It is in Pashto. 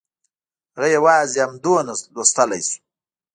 هغه یوازې همدومره لوستلی شو